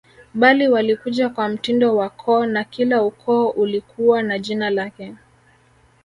Bali walikuja kwa mtindo wa koo na kila ukoo ulikuwa na jina lake